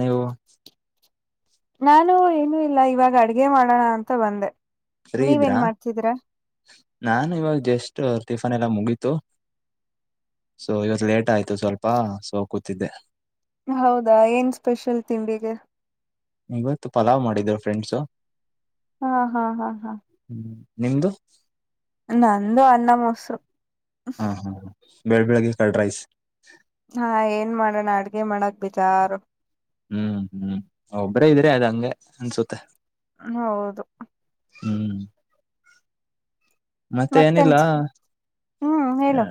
ನೀವು ನಾನು ಏನುೂ ಇಲ್ಲ ಇವಾಗ ಅಡ್ಗೆ ಮಾಡೋಣ ಅಂತ ಬಂದೆ ಫ್ರೀ ಇದ್ರಾ ನೀವೇನ್ ಮಾಡ್ತಿದೀರಾ ನಾನು ಇವಾಗ ಜಸ್ಟ್ ಟಿಫನ್ ಎಲ್ಲಾ ಮುಗೀತು. ಸೊ ಇವತ್ತು ಲೇಟ್ ಆಯ್ತು ಸ್ವಲ್ಪ ಸೊ ಕೂತಿದ್ದೆ ಹೌದಾ ಏನ್ ಸ್ಪೆಷಲ್ ತಿಂಡಿಗೆ ಇವತ್ತು ಪಲಾವ್ ಮಾಡಿದ್ರು ಫ್ರೆಂಡ್ಸು ಹಾ ಹಾ ಹಾ ಹಾ ಹ್ಮ್ ನಿಮ್ದು ನಂದು ಅನ್ನಾ ಮೊಸರು ಹಾ ಹಾ ಬೆಳ್ ಬೆಳಗ್ಗೆ ಕರ್ಡ್ ರೈಸ್ ಹಾ ಏನ್ ಮಾಡೋಣ ಅಡ್ಗೆ ಮಾಡಕ್ ಬಿಜಾರು ಹ್ಮ್ ಹ್ಮ್ ಒಬ್ರೇ ಇದ್ರೆ ಅದ ಹಂಗೆ ಅನ್ಸುತ್ತೆ ಹೌದು ಹ್ಮ್ ಮತ್ತೆ ಮತ್ತೆನ್ ಏನಿಲ್ಲ ಹ್ಮ್ ಹ ಹೇಳು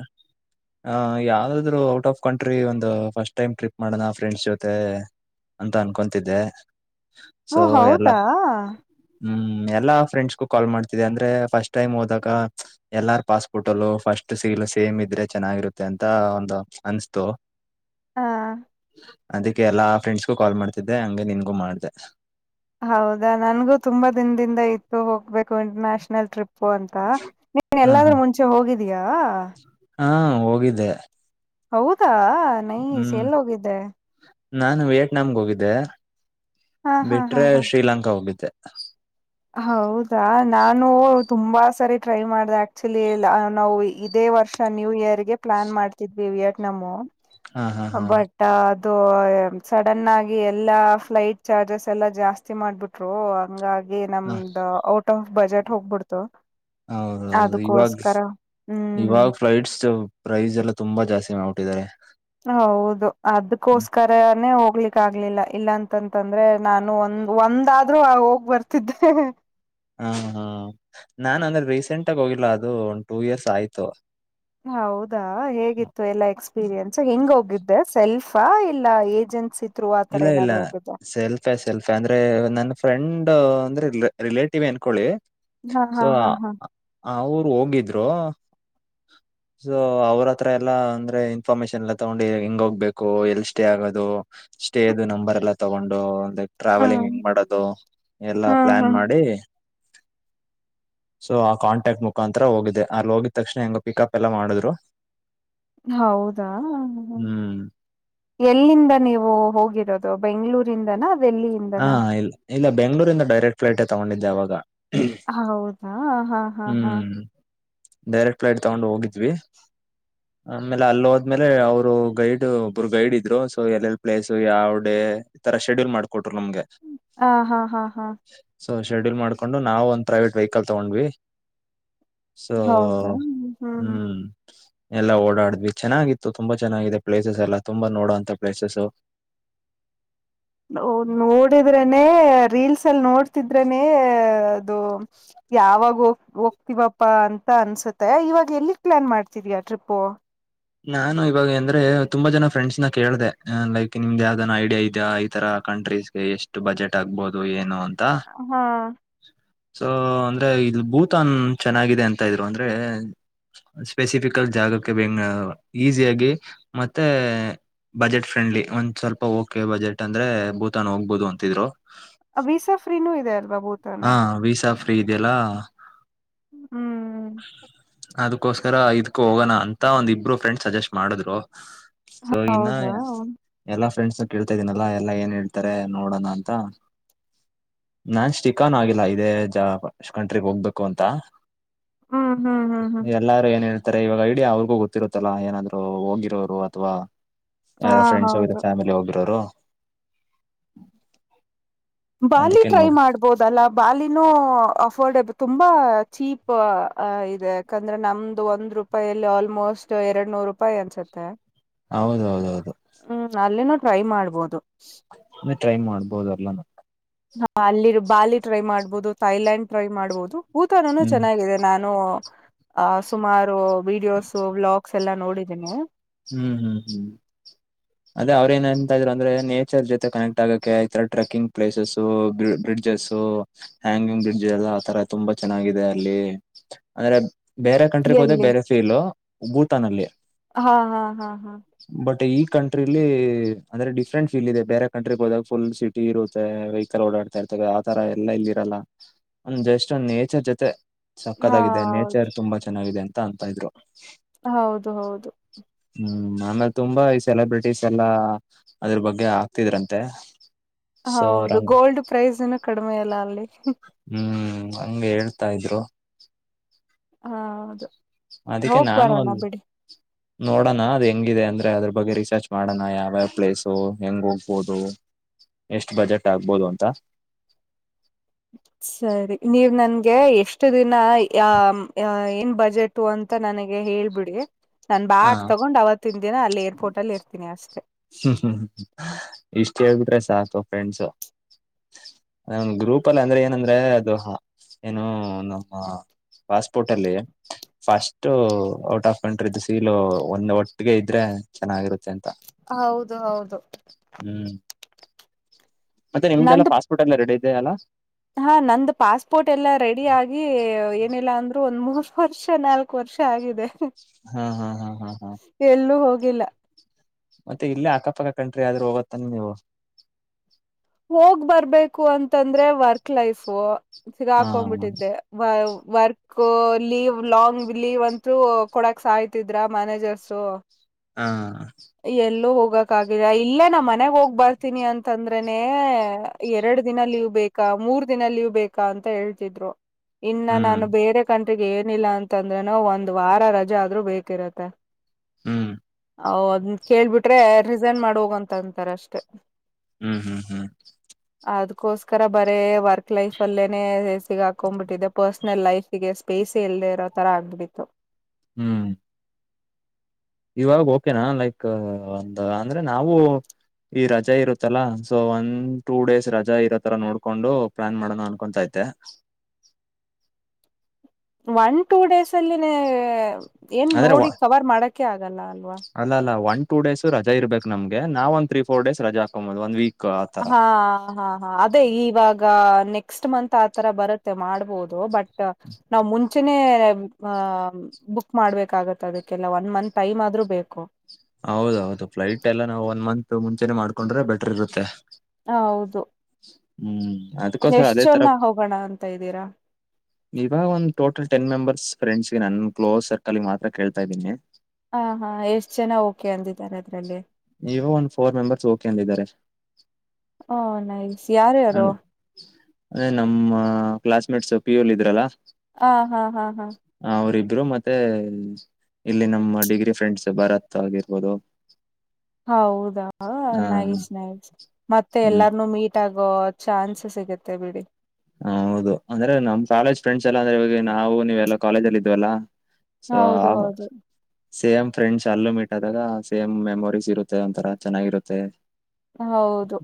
ಹ ಯಾವಾರಾದ್ರು ಔಟ್ ಆಫ್ ಕಂಟ್ರಿ ಒಂದು ಫಸ್ಟ್ ಟೈಮ್ ಟ್ರಿಪ್ ಮಾಡೋಣ ಫ್ರೆಂಡ್ಸ್ ಜೊತೆ ಅಂತ ಅನ್ಕೊತಿದ್ದೆ ಓ ಸೊ ಎಲ್ಲ ಹೌದಾ ಹ್ಮ್ ಎಲ್ಲ ಫ್ರೆಂಡ್ಸ್ಗೂ ಕಾಲ್ ಮಾಡ್ತಿದೆ ಅಂದ್ರೆಫಸ್ಟ್ ಟೈಮ್ ಹದಕ್ ಎಲ್ಲಾರ್ ಪಾಸ್ಪೋರ್ಟ್ ಅಲ್ಲೂ ಫಸ್ಟ್ ಸೀಲ್ ಸೇಮ್ ಇದ್ರೆ ಚೆನ್ನಾಗಿರುತ್ತೆ ಅಂತ ಒಂದು ಅನ್ಸ್ತು ಹ ಹಾ ಅದಕ್ಕೆ ಎಲ್ಲಾ ಫ್ರೆಂಡ್ಸ್ಗೂ ಕಾಲ್ ಮಾಡ್ತಿದ್ದೆ ಹಂಗಗೆ ನಿನ್ಗೂ ಮಾಡ್ದ ಹೌದಾ ನನ್ಗೂ ತುಂಬಾ ದಿನದಿಂದ ಇತ್ತು ಹೋಗ್ಬೇಕು ಇಂಟರ್ ನ್ಯಾಷನಲ್ ಟ್ರಿಪ್ ಪ್ಪೋ ಅಂತ ನೀ ಹ ಹ ಎಲ್ಲಾದ್ರೂ ಮುಂಚೆ ಹೋಗಿದೀಯಾ ಹಾ ಹೋಗಿದ್ದೆ ಹೌದಾ ನೈ ಹ್ಮ್ ಸೇಲ್ ಹೋಗಿದ್ದೆ ನಾನು ವಿಯೆಟ್ನಾಮ್ಗೆ ಹೋಗಿದ್ದೆ ಹಾ ಹಾ ಹಾ ಬಿಟ್ರೆ ಹಾ ಶ್ರೀಲಂಕಾ ಹೋಗಿದ್ದೆ ಹೌದಾ ನಾನು ತುಂಬಾ ಸರಿ ಟ್ರೈ ಮಾಡಿದೆ ಆಕ್ಚುಲಿ ನಾವು ಇದೇ ವರ್ಷ ನ್ಯೂ ಇಯರ್ಗೆ ಪ್ಲ ಪನ್ ಮಾಡ್ತಿದ್ವಿಯಕ್ ನಮ್ಮ ಹಾ ಹಾ ಹಾ ಬಟ್ ಇದು ಸಡನ್ ಆಗಿ ಎಲ್ಲಾ ಫ್ಲಟ್ ಚಾರ್ಜಸ್ ಎಲ್ಲಾ ಜಾಸ್ತಿ ಮಾಡ್ಬಿಟ್ರು ಹಂಗಾಗಿ ಹ ನಮ್ದ್ ಔಟ್ ಆಫ್ ಬಜೆಟ್ ಹೋಗ್ಬಿಡ್ತು ಹೌದೌದು ಇವಾಗ ಅದಕ್ಕೋಸ್ಕರ ಹ್ಮ್ ಇವಾಗ ಫ್ಲಟ್ಸ್ ಪ್ರಸ್ ಎಲ್ಲಾ ತುಂಬಾ ಜಾಸ್ತಿ ಮಾಡ್ಬಿಟ್ಟಿದ್ದಾರೆ ಹೌದು ಹ್ಮ್. ಅದಕೋಸ್ಕರನೇ ಹೋಗ ಹೋಗ್ಲಿಕ್ ಆಗ್ಲಿಲ್ಲ ಇಲ್ಲ ಅಂತಂತಂದ್ರೆ ನಾನು ಒಂದ್ ಒಂದಾದ್ರೂ ಹೋಗ್ ಬರ್ತಿದ್ದೆ ಹ ಹಾ ನಾನ್ ಅಂದ್ರೆ ರೀಸೆಂಟ್ ಆಗ ಹೋಗಿಲ್ಲ ಅದು ಒಂದ್ ಟೂ ಇಯರ್ಸ್ ಆಯ್ತು ಹೌದಾ ಹೇಗಿತ್ತು ಎಲ್ಲಾ ಎಕ್ಸ್ಪೀರಿಯನ್ಸ್ ಹೆಂಗ ಹೋಗಿದ್ದೆ ಸೆಲ್ಫ್ ಬ ಇಲ್ಲ ಏಜೆನ್ಸಿ ತ್ರೂ ಆತರ ಇಲ್ಲ ಇಲ್ಲ ಏನಾದ್ರು ಹೋಗಿದ್ದ ಸೆಲ್ಫ ಸೆಲ್ಫ ಅಂದ್ರೆ ನನ್ನ ಫ್ರೆಂಡ್ ಅಂದ್ರೆ ರಿಲೇಟಿವ್ ನ್ಕೊಳ್ಳಿ ಹಾ ಹಾ ಹಾ ಹಾ ಅವರು ಹೋಗಿದ್ರು ಸೊ ಅವ್ರತ್ರ ಎಲ್ಲಾ ಅಂದ್ರೆ ಇನ್ಫಾರ್ಮೇಶನ್ ಎಲ್ಲ ತಗೊಂಡಿ ಹೆಂಗ ಹೋಗ್ಬೇಕು ಎಲ್ ಸ್ಟೇ ಆಗದು ಸ್ಟೇದು ನಂಬರ್ ಎಲ್ಲ ತಗೊಂಡು ಲೈಕ್ ಟ್ರಾವೆಲಿಂಗ್ ಹ್ಮ್ ಹೆಂಗ ಮಾಡೋದು ಎಲ್ಲಾ ಹ್ಮ್ ಪ್ಲಾನ್ ಹ್ಮ್ ಮಾಡಿ [unintelligible] [inaudible] ಸೊ ಆ ಕಾಂಟ್ಯಾಕ್ಟ್ ಮುಖಾಂತರ ಹೋಗಿದೆ ಅಲ್ಲಿ ಹೋಗಿದ ತಕ್ಷಣ ಹೆಂಗ ಪಿಕಪ್ ಎಲ್ಲ ಮಾಡಿದ್ರು ಹೌದಾ ಹ್ಮ್ ಎಲ್ಲಿಂದ ನೀವು ಹೋಗಿರೋದು ಬೆಂಗ್ಳೂರಿಂದನ ಹಾ ದಲ್ಲಿಯಿಂದನ ಇಲ್ಲ ಇಲ್ಲ ಬೆಂಗಳೂರಿ ಡೈರೆಕ್ಟ್ ಫ್ಲಟ್ ತಗೊಂಡಿದ್ದೆ ಅವಾಗ ಹೌದಾ ಹಾ ಹಾ ಹಾ ಹ್ಮ್ ಡೈರೆಕ್ಟ್ ಫ್ಲಟ್ ತಗೊಂಡು ಹೋಗಿದ್ವಿ ಆಮೇಲೆ ಅಲ್ಲಿ ಹೋದ್ಮೇಲೆ ಅವರು ಗೈಡ್ ಒಬ್ರು ಗೈಡ್ ಇದ್ರು ಸೊ ಎಲ್ಲೆಲ್ ಪ್ಲೇಸ್ ಯಾವಡೇ ಈ ತರ ಶೆಡ್ಯೂಲ್ ಮಾಡ್ಾರೆ ಹ ಹಾ ಹಾ ಹಾ ಸೊ ಶೆಡ್ಯೂಲ್ ಮಾಡ್ಕೊಂಡು ನಾವವು ಒಂದ್ ಪ್ರವೇಟ್ ವೆಹಿಕಲ್ ತಗೊಂಡ್ವಿ ಸೊ ಹೌದಾ ಹ್ಮ್ ಎಲ್ಲಾ ಓಡಾಡ್ವಿ ಚೆನ್ನಾಗಿತ್ತು ತುಂಬಾ ಚೆನ್ನಾಗಿದೆ ಪ್ಲೇಸಸ್ ಎಲ್ಲಾ ತುಂಬಾ ನೋಡುವಂತ ಪ್ಲೇಸಸ್ ನೋಡಿದ್ರನೆೇ ರೀಲ್ಸ್ ಅಲ್ಲಿ ನೋಡ್ತಿದ್ರನೆೇ ಯಾವಾಗ ಹೋಗ್ತವಪ್ಪಾ ಅಂತ ಅನ್ಸುತ್ತೆ ಇವಾಗ ಎಲ್ಲಿ ಪ್ಲಾನ್ ಮಾಡ್ತಿದ ಟ್ರಿಪ್ಪ ನಾನು ಇವಾಗ ಅಂದ್ರೆ ತುಂಬಾ ಜನ ಫ್ರೆಂಡ್ಸ್ ನ ಕೇಳ್ದ ಅ ಲೈಕ್ ನಿಮ್ದ್ ಯಾವ್ದಾನ ಐಡಿಯಾ ಇದಾ ಈ ತರ ಕಂಟ್ರೀಸ್ ಗೆ ಎಷ್ಟು ಬಜೆಟ್ ಆಗ್ಬಹುದು ಏನು ಅಂತ ಹಾ ಸೊ ಅಂದ್ರೆ ಇಲ್ಲಿ ಭೂತಾನ್ ಚೆನ್ನಾಗಿದೆ ಅಂತ ಇದ್ರು ಅಂದ್ರೆ ಸ್ಪೆಸಿಫಿಕಲ್ ಜಾಗಕ್ಕೆ ಬೆಂಗ ಈಸಿಯಾಗಿ ಮತ್ತೆ ಬಜೆಟ್ ಫ್ರೆಂಡ್ಲಿ ಒಂದ್ ಸ್ವಲ್ಪ ಓಕೆ ಬಜೆಟ್ ಅಂದ್ರೆ ಬೂತಾನ್ ಹೋಗ್ಬೋದು ಅಂತಿದ್ರು ಅಬೀಿಸ ಫ್ರೀನೂ ಇದೆ ಅಲ್ಲ ಹಾ ವೀಸಾ ಫ್ರೀ ಇದೆಯಲ್ಲಾ ಹ್ಮ್ ಅದಕೋಸ್ಕರ ಇದ್ಕೂ ಹೋಗೋಣ ಅಂತ ಒಂದ ಇಬ್ರು ಫ್ರೆಂಡ್ ಸಜೆಸ್ಟ್ ಮಾಡಿದ್ರು ಸೊೋಗನ್ನ ಹೌದಾ ಎಲ್ಲ ಫ್ರಂಡ್ಸ್ ಕೇಳ್ತಾ ಇದೀನಲ್ಲ ಎಲ್ಲಾ ಏನ್ ಹೇಳ್ತಾರೆ ನೋಡೋಣ ಅಂತ ನಾನ್ ಚಿಕಾನ್ ಆಗಿಲ್ಲ ಇದೇ ಜ ಕಂಟ್ರಿಗ್ ಹೋಗ್ಬೇಕು ಅಂತ ಹ್ಮ್ ಹ್ಮ್ ಹ್ಮ್ ಹ್ಮ್ ಎಲ್ಲಾರು ಏನೇನು ಆತ್ತರ ಇವಾಗ ಇಡೀ ಅವ್ರಿಗೂ ಗೊತ್ತಿರುತ್ತಲ್ಲಾ ಏನಾದ್ರು ಹೋಗಿರೋರು ಅಥವಾ ಹಾ ಯಾರ ಫ್ರೆಂಡ್ಸ್ ಹೋಗಿರ ಹೌದು ಫ್ಯಾಮಿಲಿ ಹೋಗಿರೋರು ಬಾಲ ಅದಕ್ಕೆ ಟ್ರೈ ನೋಡ ಮಾಡ್ಬೋದು ಲ್ಲ ಬಾಲಿನೂ ಅಫೋರ್ಡೆಬಲ್ ತುಂಬಾ ಚೀಪ್ ಇದೆ ಯಾಕಂದ್ರೆ ನಮ್ದು ಒಂದ್ ರೂಪಾಯಿಯಲ್ಲಿ ಆಲ್ಮೋಸ್ಟ್ ಎರಡ್ ನೂರು ರೂಪಾಯಿ ಅನ್ಸುತ್ತೆ ಹೌದ ಹೌದೌದು ಹ್ಮ್ ಅಲ್ಲೇನು ಟ್ರಮಾಡ್ಬೋದು ಟ್ರೈ ಮಾಡ್ಬೋದಲ್ಲ ನ ಹ ಅಲ್ಲಿ ಬಾಲಿ ಟ್ರೈ ಮಾಡ್ಬೋದು ಥೈಲ್ಯಾಂಡ್ ಟ್ರೈ ಮಾಡ್ಬೋದು ಊತನನ್ನು ಹ್ಮ್ ಚೆನ್ನಾಗಿದೆ ನಾನು ನು ಸುಮಾರು ವೀಡಿಯೋಸ್ ವ್ಲಾಗ್ಸ್ ಎಲ್ಲ ನೋಡಿದೀನಿ ಹ್ಮ್ ಹ್ಮ್ ಹ್ಮ್ ಅದೇ ಅವ್ರ ಏನ ಎಂತ ಅಂದ್ರೆ ನೇಚರ್ ಜೊತೆ ಕನೆಕ್ಟ್ ಆಗಕ್ಕೆೆ ಈ ತರ trekking places bridges hanging bridge ಎಲ್ಲ ಆ ತರ ತುಂಬಾ ಚೆನ್ನಾಗಿದೆ ಅಲ್ಲಿ ಅಂದ್ರೆ ಬೇರೆ ಕಂಟ್ರಿಗ್ ಹೋದೆ ಎಲ್ಲಿ ಬೇರೆ ಸೀಲು ಭೂತಾನ್ ಅಲ್ಲಿ ಹಾ ಹಾ ಹಾ ಹಾ ಕಂಟ್ರಿಲ್ಲಿ ಅಂದ್ರೆ ಡಿಫೆಂಟ್ ಫೀಲ್ ಇದೆ ಬೇರೆ ಕಂಟ್ರಿಗೆ ಹೋದಾಗ ಫುಲ್ ಸಿಟಿರುತ್ತೆಹಿಕಲ್ ಓಡಾಡ್ತಾ ಇರ್ತ್ತಾರೆ ಆತರ ಎಲ್ಲ ಇಲ್ಲಿ ಇರಲ್ಲ ಒಂದ್ ಜಸ್ಟ್ ಒಂದ್ ನೇಚರ್ ಜೊತೆ ಹಾ ಸಕ್ಕತ್ತಾಗಿದೆ ಹೌದು ನೇಚರ್ ತುಂಬಾ ಚೆನ್ನಾಗಿದೆ ಅಂತ ಅಂತ ಇದ್ರು ಹೌದು ಹೌದು. ಹ್ಮ್ ಆಮೇಲೆ ತುಂಬಾ ಈ ಸೆಲೆಬ್ರಿಟೀಸ್ ಎಲ್ಲಾ ಅದ್ರ ಬಗ್ಗೆ ಆಗ್ತಿದ್ರಂತೆ. ಸೊ ಹೌದು ರಂಗ ಗೋಲ್ಡ್ ಪ್ರೈಸ್ ನ ಕಡಿಮೆ ಅಲ್ಲ ಅಲ್ಲಿ. ಹ್ಮ್ ಹಂಗೆ ಹೇಳ್ತಾ ಇದ್ರು. ಹ ಹೌದು ಅದಕ್ಕೆ ಹೋಗ್ ನಾನು ಅ ಬರೋಣ ಬಿಡಿ ನೋಡೋಣ ಅದ್ ಹೆಂಗಿದೆ ಅಂದ್ರೆ ಅದ್ರ ಬಗ್ಗೆ ರಿಸರ್ಚ್ ಮಾಡೋಣ ಯಾವ್ಯಾವ ಪ್ಲೇಸು ಹೆಂಗ ಹೋಗ್ಬೋದು ಎಷ್ಟು ಬಜೆಟ್ ಆಗ್ಬೋದು ಅಂತ ಹೌದು ಸರಿ ನೀವ ನನ್ಗೆ ಎಷ್ಟು ದಿನ ಯ ಏನ್ ಬಜೆಟ್ ಅಂತ ಅಂತ ನನಗೆ ಹೇಳ್ಬಿಡಿ ನಾನ್ ಹ ಬಾಕ್ ತಗೊಂಡ್ ಅವತ್ತಿನ ದಿನ ಅಲ್ಲಿ ಏರ್ಪೋರ್ಟ್ ಅಲ್ಲಿ ಇರ್ತೀನಿ ಅಷ್ಟೆ ಹ್ಮ್ ಹಮ್ ಇಷ್ಟ ಹೇಗಿದ್ರೆ ಸಾಕು ಫ್ರೆಂಡ್ಸ ನ ಗ್ರೂಪ್ ಅಲ್ಲಿ ಅಂದ್ರೆ ಏನಂದ್ರೆ ಅದು ಏನು ನಮ್ಮ ಪಾಸ್ಪೋರ್ಟ್ ಅಲ್ಲಿ ಫಸ್ಟ್ ಔಟ್ ಆಫ್ ಕಂಟ್ರಿ ದು ಸೀಲು ಒಂದ ಒಟ್ಟಿಗೆ ಇದ್ರೆ ಚೆನ್ನಾಗಿರುತ್ತೆ ಅಂತ ಹೌದು ಹೌದು. ಹ್ಮ್. ಮತ್ತೆ ನಿಮ್ದೆಲ್ಲ ನಂದು ಪಾಸ್ಪೋರ್ಟ್ ಎಲ್ಲ ರೆಡಿ ಇದೆಯಲ್ಲ. ಹಾ ನಂದು ಪಾಸ್ಪೋರ್ಟ್ ಎಲ್ಲಾ ರೆಡಿ ಆಗಿ ಏನಿಲ್ಲಾ ಅಂದ್ರು. ಮೂರು ವರ್ಷ ನಾಲ್ಕು ವರ್ಷ ಆಗಿದೆ ಹಾ ಹಾ ಹಾ ಹಾ ಹಾ ಎಲ್ಲೂ ಹೋಗಿಲ್ಲ. ಮತ್ತೆ ಇಲ್ಲೇ ಅಕ್ಕಪಕ್ಕ ಕಂಟ್ರಿ ಆದ್ರೂ ಹೋಗತ್ತನ್ ನೀವು. ಹೋಗ್ ಬರ್ಬೇಕು ಅಂತಂದ್ರೆ ವರ್ಕ್ ಲೈಫು. ಸಿಗಾ ಹಾ ಹಾಕೊಂಡ್ಬಿಟ್ಟಿದ್ದೆ ವ. ವರ್ಕ್ ಲೀವ್ ಲಾಂಗ್ ಲೀವ್ ಅಂತೂ ಕೊಡಕ್ ಸಾಯ್ತಿದ್ರ ಮ್ಯಾನೇಜರ್ಸು ಹಾ. ಹೋಗಕ ಇಲ್ಲೇ ನಾ್ ಮನೆಗ್ ಹೋಗ್ ಬರ್ತೀನಿ ಅಂತಂದ್ರೆ. ನೇ ಎರಡು ದಿನ ಲೀವ್ ಬೇಕಾ ಮೂರ್ ದಿನ ಲೀವ್ ಬೇಕಾ ಅಂತ ಹೇಳ್ತಿದ್ರು. ಇನ್ನ ಹ್ಮ್ ನಾನು ಬೇರೆ ಬೇಕು. ಟೀಗೆ ಏನಿಲ್ಲ ಅಂತಂದ್ರೆನ ಒಂದ್ ವಾರ ರಜೆ ಆದ್ರೂ ಬೇಕಿರುತ್ತೆ. ಹ್ಮ್. ಅ ಅದ ಕೇಳ್ಬಿಟ್ರೆ ರಿಸೈನ್ ಮಾಡ ಹೋಗಂತ ಅಂತಾರ ಅಷ್ಟೇ. ಹ್ಮ್ ಹ್ಮ್ ಹ್ಮ್. ಅದ್ಕೋಸ್ಕರ ಬರೇ ವರ್ಕ್ ಲೈಫ್ ಅಲ್ಲೇನೆ ಸಿಗಾಕೊಂಡ್ಬಿಟ್ಟಿದೆ ಪರ್ಸ್ಲ್. ಲೈಫಗೆ ಸ್ಪೇಸ್ ಎಲ್ಲದೇ ಇರೋ ಥರ ಆಗ್ಬಿಟ್ಟಿತ್ತು. ಹ್ಮ್. ಇವಾಗ ಓಕೆನಾ ಲೈಕ್ ಒಂದ ಅಂದ್ರೆ ನಾವು. ಈ ರಜಾ ಇರುತ್ತಲ್ಲಾ ಸೊ ಒಂದ ಟೂ ಡೇಸ್ ರಜಾ ಇರೋ ತರ ನೋಡ್ಕೊಂಡು ಪ್ಲಾನ್ ಮಾಡೋಣ ಅನ್ಕೊತ ಇತ. ಅಂತ. [unintelligible] ಒನ್ ಟೂ ಡೇಸ್ ಅಲ್ಲಿ ಏನ್ ಅಂದ್ರೆ ನೋಡಿ ಕವರ್ ಮಾಡಕ ಆಗಲ್ಲ. ಅಲ್ವಾ ಅಲ್ಲ ಅಲ್ಲ ಒನ್ ಟೂ ಡೇಸು ರಜ ಇರ್ಬೇಕ ನಮಗೆ ನಾವ್ ಒಂದ ತ್ೀ ಫೋರ್ ಡೇಸ್ ರಜಾ ಹಕೊಬೋುದು ಒಂದ ವೀಕ್. ಆತರ ಹಾ ಹಾ ಹಾ ಅದೇ ಈವಾಗ. ನೆಕ್ಸ್ಟ್ ಮಂತ್ ಆರ ಬರುತ್ತೆ ಮಾಡಬಹುದು ಬಟ್ ನ್ ಮುಂ. ಮುಂಚನೆ ಬುಕ್ ಮಾಡ್ಬೇಕಾಗತ್ತ ಅದಕ್ಕೆಲ್ಲ ಒನ್ ಮಂತ್ ಟೈಮ್ ಆದ್ರೂ ಬೇಕು. ಹೌದೌದು ಫ್ಲೈಟ್ ಎಲ್ಲ ನಾವು ಒನ್ ಮಂತ್ ಮುಂಚೆನೆೇ ಮಾಡ್ಕೊಂಡ್ರೆ ಬೆಟರ್ ಇರುತ್ತೆ. ಹೌದು. ಹ್ಮ್. ಅದ್ಕೋಸ್ಕರ ಎಷ್ಟ್ ಅದೇ ತರ ಜನ ಹೋಗೋಣ ಅಂತ ಇದ್ದೀರಾ ಇವಾಗ ಒಂದು ಟೋಟಲ್ ಟೆನ್ ಮೆಂಬರ್ಸ್. ಫ್ರೆಂಡ್ಸ್ಗೆ ನನ್ನನ್ ಕ್ಲೋಸ್ ಸರ್ಕಲ್ಗೆ ಮಾತ್ರ ಕೇತಾ ಇದ್ದೀನಿ. ಹ ಹಾ ಎಷ್ಟ್ ಜನ ಓಕೆ ಅಂದಿದ್ದಾರೆ ಅದ್ರಲ್ಲಿ. ನೀವ ಒಂದ್ ಫೋರ್ ಮೆಂಬರ್ಸ್ ಓಕೆ ಅಂದಿದ್ದಾರೆ. ಹ ನೈಸ್ ಯಾರು ಯಾರು ಅದೇ ನಮ್ಮ ಕ್ಲಾಸ್ ಮೇಟ್ಸ್ ಪಿ ಯೂಲ್ ಇದ್ರಲ್ಲಾ ಹಾ ಹಾ ಹಾ ಹಾ ಇದರು ಮತ್ತೆ ಇಲ್ಲಿ ನಮ್ಮ ಡಿಗ್ರಿ ಫ್ರೆಂಡ್ಸ್ ಭರತ್ ಆಗಿರ್ಬೋದು. ಹ ಹೌದಾನ್ನಾಗಿ ಸ್ನ್ಯಕ್ಸ್ ಮತ್ತೆ ಹ್ಮ್ ಎಲ್ಲಾರ್ನುೂ ಮೀಟ್ ಆಗ. ಚಾನ್ಸ್ ಸಿಗತ್ತೆ ಬಿಡಿ. ಹ ಹೌದು ಅಂದ್ರೆ ನಮ್ಮ ಕಾಲೇಜ್ ಫ್ರೆಂಡ್ಸ್ ಎಲ್ಲ ಅಂದ್ರೆ ಇವಾಗ ನಾವು ನೀವೆಲ್ಲ ಕಾಲೇಜ ಅಲ್ಲಿ ಇದ್ವಲ್ಲಾ. ಹೌದು ಹೌದು. ಸೇಮ್ ಫ್ರೆಂಡ್ಸ್ ಅಲ್ಲೂ ಮೀಟ್ ಆದಾಗ ಸೇಮ್ ಮೆಮೊರೀಸ್ ಇರುತ್ತೆ ಒಂಥರ ಚೆನ್ನಾಗಿರುತ್ತೆ. ಹೌದು.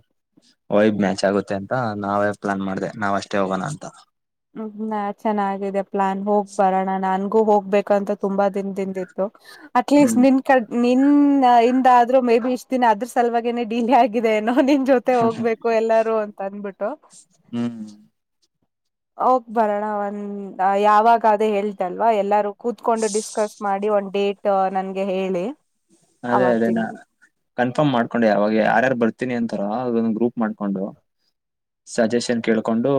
ವಯ ಮ್ಯಾಚ್ ಆಗುತ್ತೆ ಅಂತ ನಾವೇ ಪ್ಲಾನ್ ಮಾಡಿದೆ ನಾವ್ ಅಷ್ಟೇ ಹೋಗೋಣ ಅಂತ. ಹ್ಮ ನಾ ಚೆನ್ನಾಗಿದೆ ಪ್ಲಾನ್ ಹೋಗ್ ಬರೋಣ ನನ್. ಹೋಗ್ಬೇಕಂತ ತುಂಬಾ ದಿನ ದಿಂದ ಇತ್ತು. ಅಟ್ಲೀಸ್ಟ್ ಹ್ಮ್ ನಿನ್ ಕಡ್ ನಿನ್ ಇಿಂದಾದ್ರೂ ಮೇ ಬಿ ಇ. ದಿನ ಅದ್ರ ಸಲುವಾಗ ನನೆ ಡಿಲೇ ಆಗಿದೆ ನಾವ್ ನಿಮ್ ಜೊತೆ ಹೋಗ್ಬೇಕು ಎಲ್ಲಾರು ಅಂತ ಅಂದಬಿಟು ಹ್ಮ್ ಹೋಗ್ ಬರೋಣ ಒಂದ ಯಾವಾಗ ಅದೇ ಹೇಳ್ತಲ್ವಾ ಎಲ್ಲಾರೂ. ಕೂತ್ಕೊಂಡು ಡಿಸ್ಕಸ್ ಮಾಡಿ ಒಂದ್ ಡೇಟ್ ನನ್ಗೆ ಹೇಳಿ ಅದೇ ಅದೇ ನಾ ಅವತ್ತಿಂದ ಕನ್ಫರ್ಮ್ ಮಾಡ್ಕೊಂಡು ಯಾವಾಗ ಯಾರ್ಯಾರು ಬರ್ತೀನಿ ಅಂತಾರ ಅದೊಂದು ಗ್ರೂಪ್ ಮಾಡ್ಕೊಂಡು. ಸಜೆಷನ್ ಕೇಳ್ಕೊಂಡು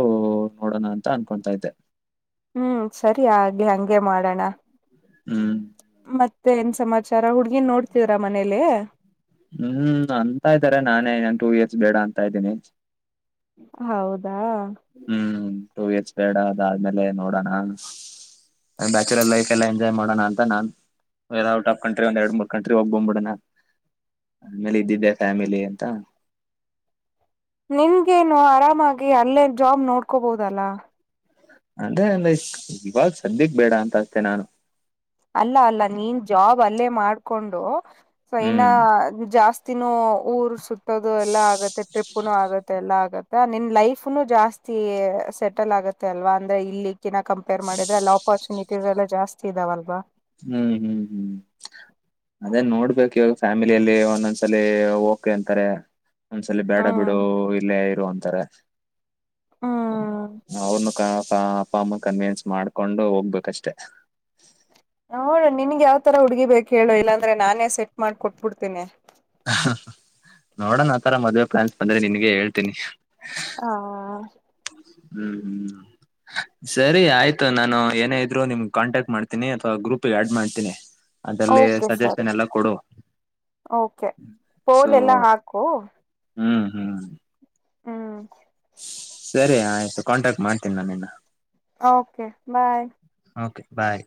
ನೋಡೋಣ ಅಂತ ಅನ್ಕೊತಾ ಇದ್ದೆ ಹ್ಮ್ ಸರಿ ಆಗಲಿ ಹಂಗೆ ಮಾಡೋಣ ಹ್ಮ್ ಮತ್ತ ಮತ್ತೆ ಏನ್ ಸಮಾಚಾರ ಹುಡ್ಗಿನ್ ನೋಡ್ತೀರಾ ಮನೇಲಿ ಹ್ಮ್ ಅಂತ ಇದ್ದಾರೆ ನಾನೇ ಇನ್ ಟೂ ಇಯರ್ಸ್ ಬೇಡ ಅಂತ ಇದ್ದೀನಿ ಹೌದಾ ಟು ಇಯರ್ಸ್ ಬೇಡ ಅದದ್ಮೇಲೆ ನೋಡೋಣ ಬ್ಯಾಚುಲರ್ ಲೈಫ್ ಎಲ್ಲ ಎಂಜಾಯ್ ಮಾಡೋಣ ಅಂತ ನಾನ್ ವೇ ಔಟ್ ಆಫ್ ಕಟ್ರಿ ಒಂದ ಎರಡ್ ಮೂರ್ ಕಂಟ್ರಿ ಹೋಗಿ ಬಂದ ಬಿಡನಾ ಆಮೇಲೆ ಇದ್ದಿದ್ದೆ ಫ್ಯಾಮಿಲಿ ಅಂತ ನಿನ್ಗೇನು ಆರಾಮಾಗಿ ಅಲ್ಲೇ ಜಾಬ್ ನೋಡ್ಕೋಬಹುದಲ್ಲ. ಅಂದ್ರೆ ಅಂದ್ರೆ ಇವಾಗ ಸದ್ಯಕ್ ಬೇಡ ಅಂತ ಅಷ್ಟೇ ನಾನು ಅಲ್ಲ ಅಲ್ಲ ನೀನ್ ಜಾಬ್ ಅಲ್ಲೇ ಮಾಡ್ಕೊಂಡು ಸೊ ಇನ್ ಹ್ಮ್ ಜಾಸ್ತಿ ಜಾಸ್ತಿ ನ್ ಊರ್ ಸುುತ್ತೋದು ಎಲ್ಲಾ ಆಗತ್ತೆ ಟ್ರಿಪ್ ನು ಆಗತ್ತೆ ಎಲ್ಲಾ ಆಗತ್ತೆ ನಿನ್ ಲೈಫ್ನು ಜಾಸ್ತಿ ಸೆಟಲ್ ಆಗತ್ತೆ ಅಲ್ವಾ ಅಂದ್ರೆ ಇಲ್ಲಿ ಕಿನ ಕಂಪೇರ್ ಮಾಡಿದ್ರೆ ಲಾಕ್ ಅಪರ್ಚುನಿಟೀಸ್ ಎಲ್ಲ ಜಾಸ್ತಿ ಇದಾವಲ್ವಾ ಹ್ಮ್ ಹ್ಮ್ ಹ್ಮ್ ಅದೇ ನೋಡ್ಬೇಕು ಇವಾಗ ಫ್ಯಾಮಿಲಿಯಲ್ಲಿ ಒಂದೊಂದ್ಸಲ ಓಕೆ ಅಂತಾರೆ ಒಂದ್ಸಲ ಬೇಡ ಹ್ಮ್ ಬಿಡು ಇಲ್ಲೇ ಇರುವ ಅಂತಾರೆ ಹ್ಮ್ ಅವನ್ನು ಕ ಅ ಅಪ್ಪ ಅಮ್ಮ ಕನ್ವನ್ಸ್ ಮಾಡ್ಕೊಂಡು ಹೋಗ್ಬೇಕಷ್ಟೆ. ನೋಡಣ ನಿನ್ಗ್ ಯಾವ್ತರ ಹುಡ್ಗಿ ಬೇಕು ಹೇಳು ಇಲ್ಲಾಂದ್ರೆ ನಾನೇ ಸೆಟ್ ಮಾಡ್ ಕೊಟ್ಟಬಿಡತೀನಿ ನೋಡೋಣ ಆತರ ಮದ್ವೆ ಪ್ಲಾನ್ಸ್ ಬಂದ್ರೆ ನಿನ್ಗೆ ಹೇಳ್ತೀನಿ. ಹಾ ಹ್ಮ್ ಹ್ಮ್ ಸರಿ ಆಯ್ತು ನಾನು ಏನೇ ಇದ್ರು ನಿಮ್ ಕಾಂಟ್ಯಾಕ್ಟ್ ಮಾಡ್ತೀನಿ ಅಥವಾ ಗ್ರೂಪ್ಗೆ ಆಡ್ ಮಾಡ್ತೀನಿ. ಅದಲ್ಲಿ ಓಕೆ ಸರಿ ಸಜೆಷನ್ ಎಲ್ಲ ಕೊಡು ಓಕೆ ಪೋಲ ಸೊ ಎಲ್ಲಾ ಹಾಕು ಹ್ಮ್ ಹ್ಮ್ ಹ್ಮ್ ಸರಿ ಆಯ್ತು ಕಾಂಟ್ಯಾಕ್ಟ್ ಮಾಡ್ತೀನಿ ನಾ ನಿನ್ನ ಓಕೆ ಬಾಯ್ ಓಕೆ ಬಾಯ್